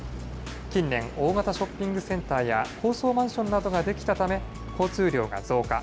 近年、大型ショッピングセンターや高層マンションが出来たため、交通量が増加。